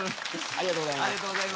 ありがとうございます。